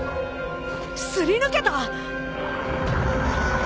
すり抜けた！？